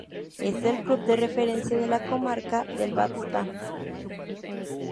Es el club de referencia de la comarca del Baztán.